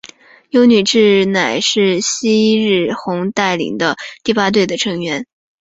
油女志乃是夕日红带领的第八队的成员。